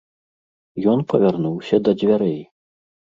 Ён павярнуўся да дзвярэй.